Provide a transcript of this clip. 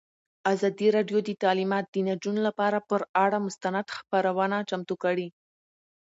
ازادي راډیو د تعلیمات د نجونو لپاره پر اړه مستند خپرونه چمتو کړې.